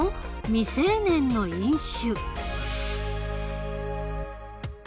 未成年の飲酒」。